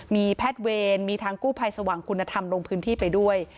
มีแพทย์เวรมีทางกู้ภัยสว่างคุณธรรมลงพื้นที่ไปด้วย